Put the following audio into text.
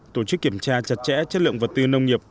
tổ chức kiểm tra chặt chẽ chất lượng vật tư nông nghiệp